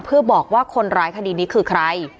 เพื่อบอกว่าคนร้ายคดีนี้คือใคร